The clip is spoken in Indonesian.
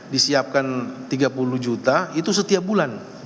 disiapkan tiga puluh juta itu setiap bulan